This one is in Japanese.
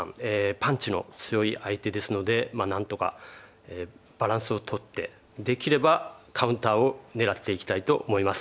パンチの強い相手ですので何とかバランスをとってできればカウンターを狙っていきたいと思います。